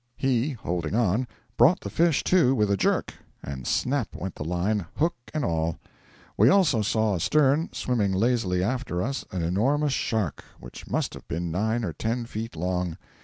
He, holding on, brought the fish to with a jerk, and snap went the line, hook and all. We also saw astern, swimming lazily after us, an enormous shark, which must have been nine or ten feet long.